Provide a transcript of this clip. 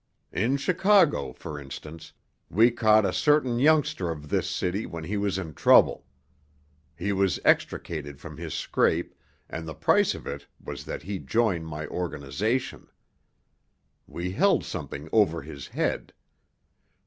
In Chicago, for instance, we caught a certain youngster of this city when he was in trouble. He was extricated from his scrape, and the price of it was that he join my organization. We held something over his head.